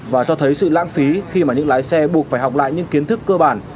và cho thấy sự lãng phí khi mà những lái xe buộc phải học lại những kiến thức cơ bản